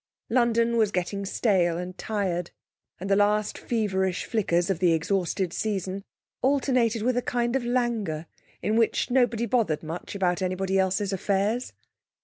London was getting stale and tired, and the last feverish flickers of the exhausted season alternated with a kind of languor in which nobody bothered much about anybody else's affairs.